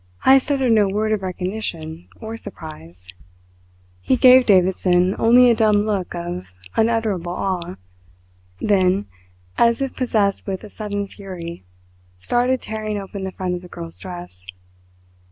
Heyst uttered no word of recognition or surprise. He gave Davidson only a dumb look of unutterable awe, then, as if possessed with a sudden fury, started tearing open the front of the girls dress.